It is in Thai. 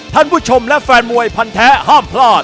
ท่านผู้ชมและแฟนมวยพันแท้ห้ามพลาด